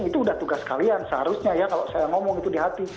itu udah tugas kalian seharusnya ya kalau saya ngomong itu di hati